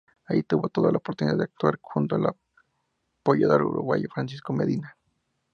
Allí tuvo la oportunidad de actuar junto al payador uruguayo Francisco Medina.